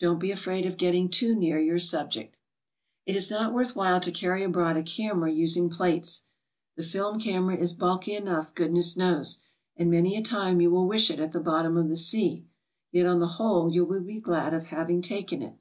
Don't be afraid of getting too near your sub ject. It is not worth while to carry abroiad a camera using plates; the film camera is bulky enough, goodness knows, and many a time you will wdsh it at the bottom of the sea, yet on the whole you will be glad of having taken it.